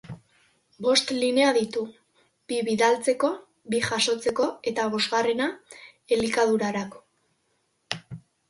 Bost linea ditu: bi bidaltzeko, bi jasotzeko eta bosgarrena elikadurarako.